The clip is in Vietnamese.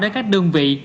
đến các đơn vị